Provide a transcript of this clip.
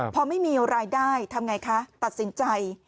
พอไม่มีรายได้ทำไงคะตัดสินใจ